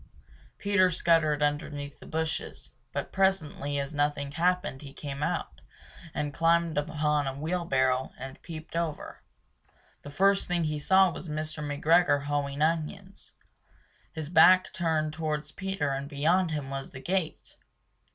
Peter scuttered underneath the bushes, but presently as nothing happened, he came out and Climbed upon a wheelbarrow, and peeped over. The first thing he saw was Mr. McGregor hoeing onions. His back was turned towards Peter and beyond him was the gate!